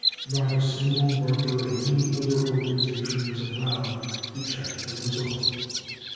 Not a single worker of any other organisation was allowed to check the result."